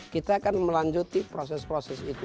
kita akan melanjuti proses proses itu